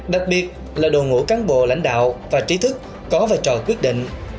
đặc biệt là đồ ngũ cán bộ lãnh đạo và trí thức có vai trò quyết định